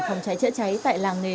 phòng cháy chữa cháy tại làng nghề